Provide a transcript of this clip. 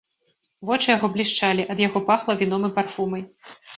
Вочы яго блішчалі, ад яго пахла віном і парфумай.